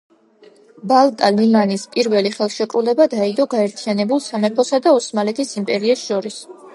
ბალტა-ლიმანის პირველი ხელშეკრულება დაიდო გაერთიანებულ სამეფოსა და ოსმალეთის იმპერიას შორის.